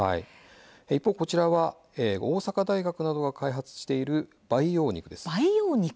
一方、こちらは大阪大学などが開発している培養肉です。